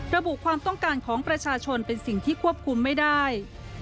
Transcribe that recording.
ระบุความต้องการของประชาชนเป็นสิ่งที่ควบคุมไม่ได้